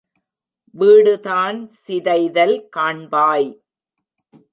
வீடுதான் சிதைதல் காண்பாய்!